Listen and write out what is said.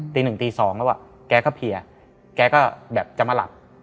ตีหนึ่งตีสองแล้วแกก็เพลียแกก็แบบจะมาหลับ